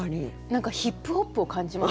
何かヒップホップを感じます。